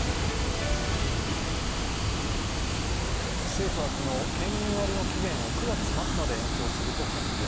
政府は昨日、県民割の期限を９月末まで延長すると発表。